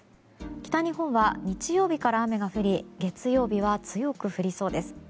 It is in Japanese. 北日本は、日曜日から雨が降り月曜日は強く降りそうです。